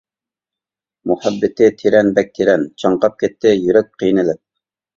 مۇھەببىتى تېرەن بەك تېرەن، چاڭقاپ كەتتى يۈرەك قىينىلىپ.